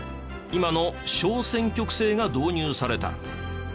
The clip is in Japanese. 今の小選挙区制が導入された。